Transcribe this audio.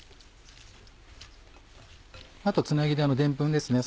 あとつなぎででんぷんですね。